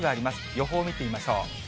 予報見てみましょう。